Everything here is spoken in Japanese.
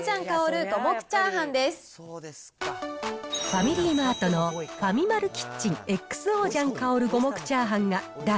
ファミリーマートのファミマルキッチンＸＯ醤香る五目炒飯です。